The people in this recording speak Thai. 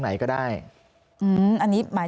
มันเป็นแบบที่สุดท้าย